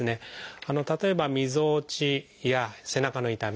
例えばみぞおちや背中の痛み